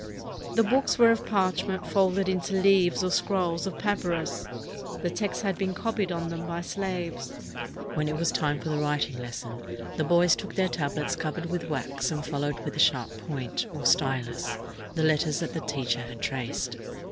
The books were of parch ment folded into leaves or scrolls of papyrus. The text had been copied on them by slaves. When it was time 397 ROME for the writing lesson, the boys took their tablets covered with wax and followed with a sharp point, or stilus, the letters that the teacher had traced.